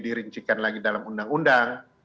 dirincikan lagi dalam undang undang